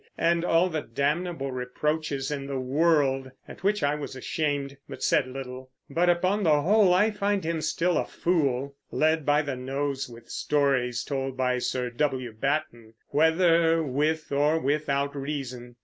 and all the damnable reproaches in the world, at which I was ashamed, but said little; but, upon the whole, I find him still a foole, led by the nose with stories told by Sir W. Batten, whether with or without reason.